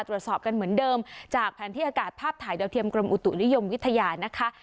ตรวจสอบกันเหมือนเดิมจากแผนที่อากาศภาพถ่ายดาวเทียมกรมอุตุนิยมวิทยานะคะ